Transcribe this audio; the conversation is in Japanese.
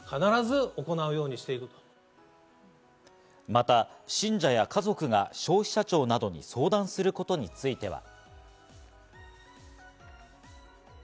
また信者や家族が消費者庁などに相談することについては。